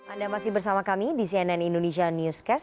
anda masih bersama kami di cnn indonesia newscast